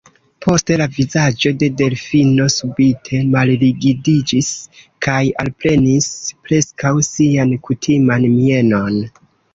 Poste la vizaĝo de Delfino subite malrigidiĝis kaj alprenis preskaŭ sian kutiman mienon.